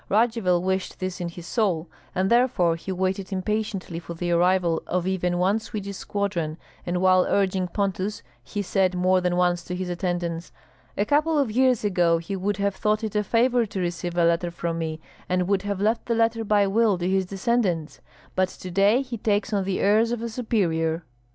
Radzivill wished this in his soul, and therefore he waited impatiently for the arrival of even one Swedish squadron, and while urging Pontus he said more than once to his attendants, "A couple of years ago he would have thought it a favor to receive a letter from me, and would have left the letter by will to his descendants; but to day he takes on the airs of a superior."